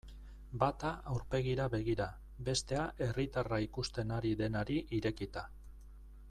Bata aurpegira begira, bestea herritarra ikusten ari denari irekita.